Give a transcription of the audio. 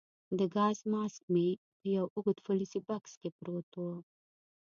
د ګاز ماسک مې په یو اوږد فلزي بکس کې پروت وو.